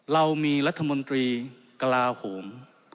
เรามีรัฐมนตรีกลาโหม